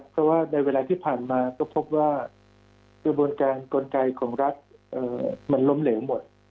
เพราะว่าในเวลาที่ผ่านมาก็พบว่ากระบวนการกลไกของรัฐมันล้มเหลวหมด